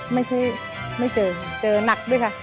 ไม่ใช่ไม่เจอเจอนักด้วยค่ะ